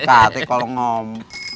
katik kalau ngom